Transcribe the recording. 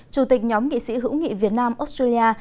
chủ tịch nhóm nghị sĩ hữu nghị việt nam australia